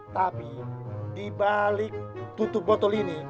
tapi dibalik tutup botol ini